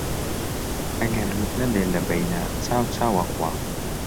ئەگەر لووت نەبێ لەبەینا، چاو چاو ئەخوا